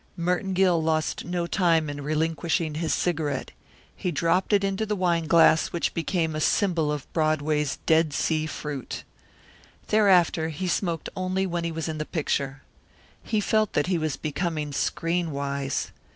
Merton Gill lost no time in relinquishing his cigarette. He dropped it into the wine glass which became a symbol of Broadway's dead sea fruit. Thereafter he smoked only when he was in the picture. He felt that he was becoming screen wise.